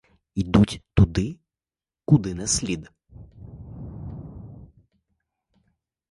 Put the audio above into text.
Йдуть туди, куди не слід.